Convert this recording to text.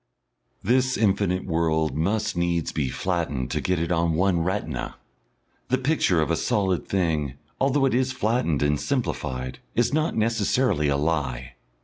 This infinite world must needs be flattened to get it on one retina. The picture of a solid thing, although it is flattened and simplified, is not necessarily a lie.